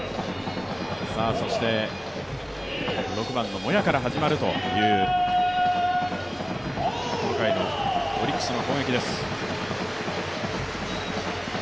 ６番のモヤから始まるというこの回のオリックスの攻撃です。